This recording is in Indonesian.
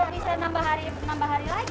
kalau bisa nambah hari lagi